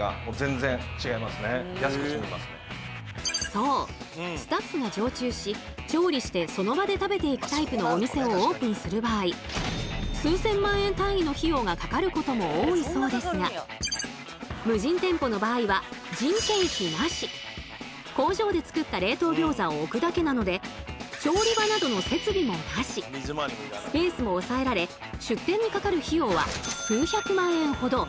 そうスタッフが常駐し調理してその場で食べていくタイプのお店をオープンする場合数千万円単位の費用がかかることも多いそうですが無人店舗の場合は工場で作った冷凍餃子を置くだけなのでスペースも抑えられ出店にかかる費用は数百万円ほど。